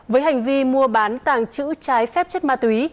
với hành vi mua bán tàng chữ trái phép chất ma tử